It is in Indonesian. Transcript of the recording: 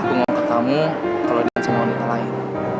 aku ngomong ke kamu kalau dia ngancam wanita lain